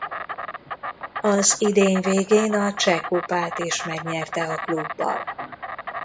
Az idény végén a Cseh Kupát is megnyerte a klubbal.